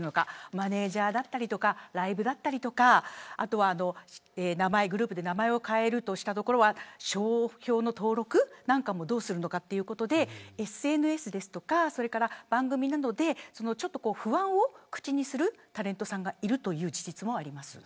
マネジャーだったりとかライブだったりとかグループで名前を変えるとしたところは商標の登録なんかもどうするのかということでＳＮＳですとか、番組などで不安を口にするタレントさんがいるという事実もあります。